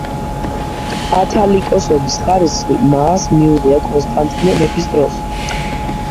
კათალიკოსობის ხარისხი მაას მიუღია კონსტანტინე მეფის დროს.